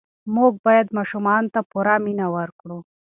موږ باید ماشومانو ته پوره مینه ورکړو.